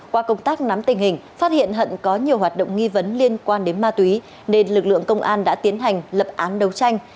qua công tác nắm tình hình phát hiện hận có nhiều hoạt động nghi vấn liên quan đến ma túy nên lực lượng công an đã tiến hành lập án đấu tranh